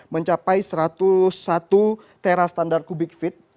mencapai satu ratus satu tera standar kubik fit